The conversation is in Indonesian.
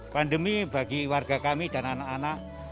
pandemi bagi warga kami dan anak anak